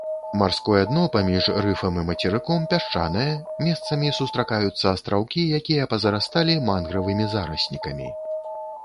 Марское дно паміж рыфам і мацерыком пясчанае, месцамі сустракаюцца астраўкі, якія пазарасталі мангравымі зараснікамі.